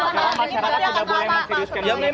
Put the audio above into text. karena masih belum ada yang apa apa